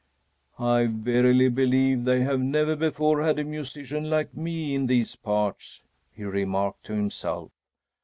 "I verily believe they have never before had a musician like me in these parts," he remarked to himself.